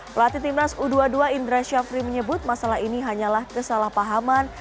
pelatih timnas u dua puluh dua indra syafri menyebut masalah ini hanyalah kesalahpahaman